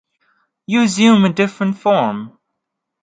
You assume a different form.